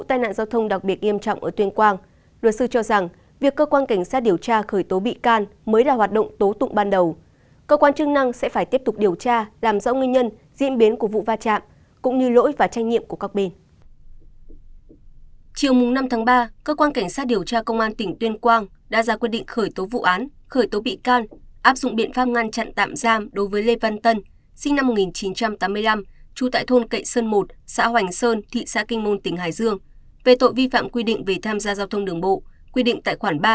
giới góc độ pháp lý thạc sĩ luật sư nguyễn đức hùng giám đốc công ty luật trách nhiệm hiệu hạn thiện duyên đoàn luật sư tp hà nội cho rằng mặc dù cơ quan cảnh sát điều tra công an tỉnh tuyên quang đã có quyết định khởi tố vụ án khởi tố bị can và đã áp dụng biện pháp ngăn chặn tạm giam đối với lê xe ô tô đầu kéo nhưng đó mới chỉ là các hoạt động tố tụng ban đầu của quá trình giải quyết vụ án